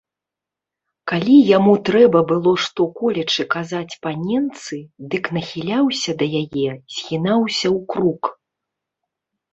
Калі яму трэба было што-колечы казаць паненцы, дык нахіляўся да яе, згінаўся ў крук.